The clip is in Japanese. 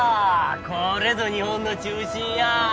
これぞ日本の中心や。